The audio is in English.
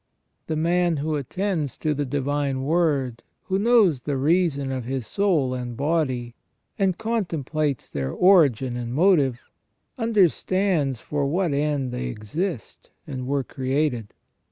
The man who attends to the divine word, who knows the reason of his soul and body, and contemplates their origin and motive, under stands for what end they exist and were created.